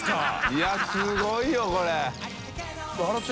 いすごいよこれ。